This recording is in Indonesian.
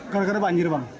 karena karena banjir bang